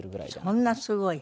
そんなすごい？